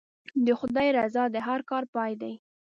د خدای رضا د هر کار پای دی.